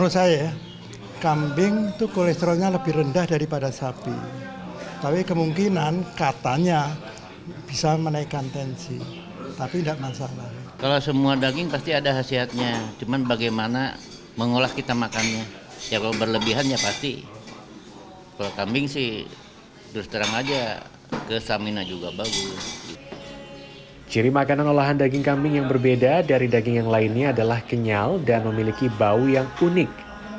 ciri makanan olahan daging kambing yang berbeda dari daging yang lainnya adalah kenyal dan memiliki bau yang unik